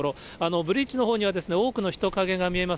ブリッジのほうには多くの人影が見えます。